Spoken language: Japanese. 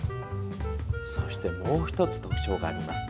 そして、もう１つ特徴があります。